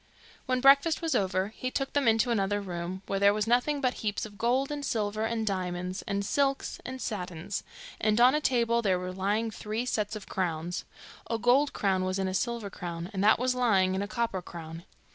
When breakfast was over, he took them into another room, where there was nothing but heaps of gold, and silver, and diamonds, and silks, and satins; and on a table there was lying three sets of crowns: a gold crown was in a silver crown, and that was lying in a copper crown.